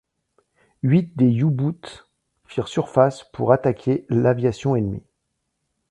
Huit des U-Boots firent surface pour attaqués l'aviation ennemie.